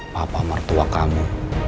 papa mertua kamu